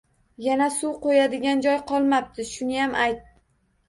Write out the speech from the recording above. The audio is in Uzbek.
Yana suv qo‘yadigan joy qolmabti, shuniyam ayt.